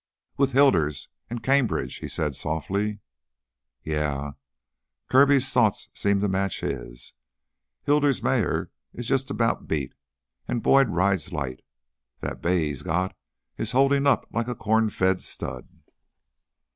"With Hilders ... and Cambridge ..." he said softly. "Yeah." Kirby's thought seemed to match his. "Hilder's mare is jus' about beat, an' Boyd rides light; that bay he got is holdin' up like a corn fed stud."